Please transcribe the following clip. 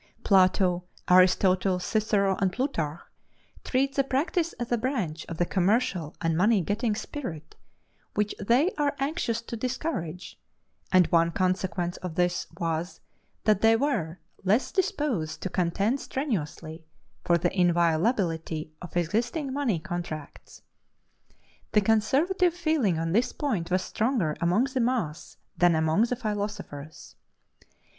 Plato, Aristotle, Cicero, and Plutarch, treat the practice as a branch of the commercial and money getting spirit which they are anxious to discourage; and one consequence of this was that they were, less disposed to contend strenuously for the inviolability of existing money contracts. The conservative feeling on this point was stronger among the mass than among the philosophers.